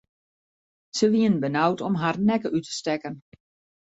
Se wienen benaud om harren nekke út te stekken.